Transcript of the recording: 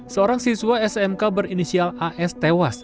seorang siswa smk berinisial as tewas